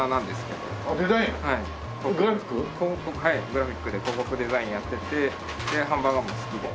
グラフィックで広告デザインやっててでハンバーガーも好きで。